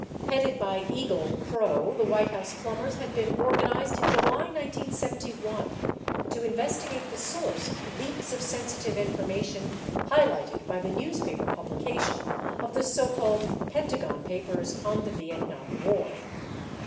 Headed by Egil Krogh the White House Plumbers had been orga nized in July 1971 to investigate the source of the leaks of sensitive information highlighted by the newspaper publication of the so called Pentagon Papers on the Vietnam war.